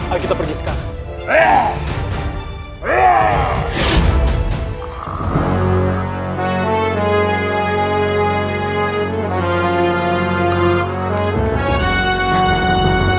ayo kita pergi sekarang